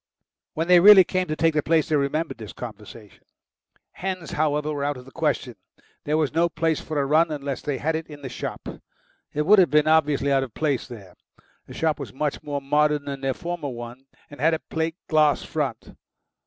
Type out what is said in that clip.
When they really came to take the place they remembered this conversation. Hens, however, were out of the question; there was no place for a run unless they had it in the shop. It would have been obviously out of place there. The shop was much more modern than their former one, and had a plate glass front.